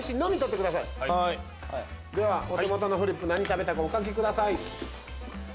お手元のフリップに何食べたかお書きください。